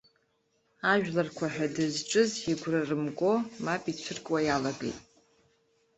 Ажәларқәа ҳәа дызҿыз игәра рымго, мап ицәыркуа иалагеит.